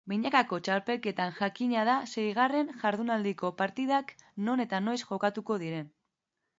Binakako txapelketan jakina da seigarren jardunaldiko partidak non eta noiz jokatuko diren.